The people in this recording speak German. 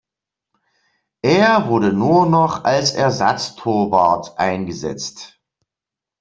Er wurde nur noch als Ersatztorwart eingesetzt.